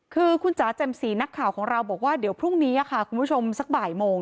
คือคุณจ๋าแจ่มสีนักข่าวของเราบอกว่าเดี๋ยวพรุ่งนี้ค่ะคุณผู้ชมสักบ่ายโมง